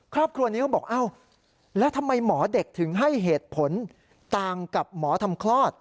ครอบครัวนี้เขาบอกอ้าวแล้วทำไมหมอเด็กถึงให้เหตุผลต่างกับหมอทำคลอด